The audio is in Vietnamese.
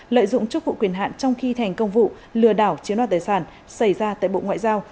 lợi dụng chức vụ quyền hạn trong khi thành công vụ lừa đảo chiếm đoạt tài sản xảy ra tại bộ ngoại giao